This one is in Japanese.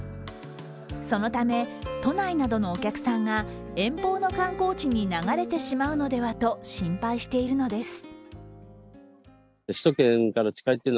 そのため、都内などのお客さんが遠方の観光地に流れてしまうのではと心配しているのです。